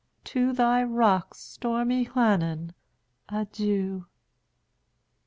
To thy rocks, stormy Llannon, adieu!